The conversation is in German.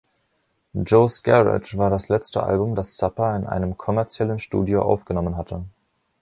„Joe's Garage“ war das letzte Album, das Zappa in einem kommerziellen Studio aufgenommen hatte.